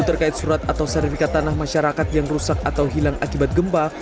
terkait surat atau sertifikat tanah masyarakat yang rusak atau hilang akibat gempa